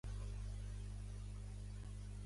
Fot qui fot i visca el rei!